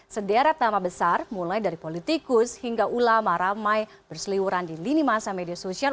sederet nama besar mulai dari politikus hingga ulama ramai berseliwuran di lini masa media sosial